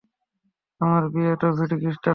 আমার বিয়ের এতো তাড়া কীসের?